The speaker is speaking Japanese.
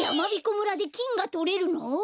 村できんがとれるの？